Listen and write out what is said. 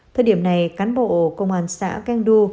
thời điểm này cán bộ công an xã keng du